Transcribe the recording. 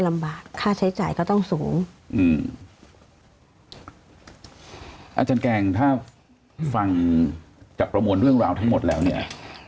ค่าใช้จ่ายก็ต้องสูงอืมอาจารย์แกงถ้าฟังจากประมวลเรื่องราวทั้งหมดแล้วเนี่ย